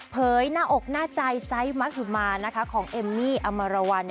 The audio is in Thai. เผยหน้าอกหน้าใจไซส์มะถือมานะคะของเอมมี่อำมารวัล